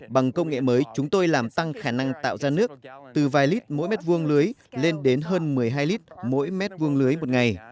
bằng công nghệ mới chúng tôi làm tăng khả năng tạo ra nước từ vài lít mỗi mét vuông lưới lên đến hơn một mươi hai lít mỗi mét vuông lưới một ngày